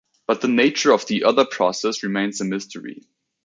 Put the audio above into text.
But the nature of the other process remains a mystery.